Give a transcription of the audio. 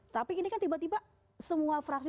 tapi ini kan tiba tiba semua fraksi